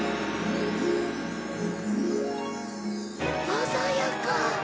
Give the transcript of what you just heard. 鮮やか！